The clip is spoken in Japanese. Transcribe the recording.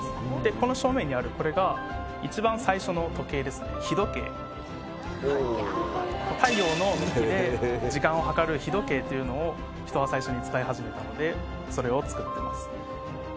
この正面にあるこれが太陽の動きで時間を計る日時計というのを人は最初に使い始めたのでそれを作ってます